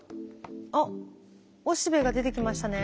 あっおしべが出てきましたね。